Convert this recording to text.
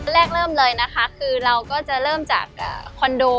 เริ่มเลยนะคะคือเราก็จะเริ่มจากคอนโด